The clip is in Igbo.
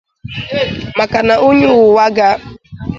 maka na onye ụwa ga-azarịrị chi ya òkù mgbe ọbụla o jiri kpọọ ya.